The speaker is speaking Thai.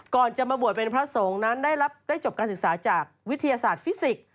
ก่อนจะมาบวชเป็นพระสงฆ์นั้นได้จบการศึกษาจากวิทยาศาสตร์ฟิสิกส์